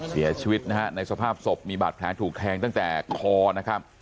เสียชีวิตนะฮะในสภาพศพมีบาดแผลถูกแทงตั้งแต่คอนะครับ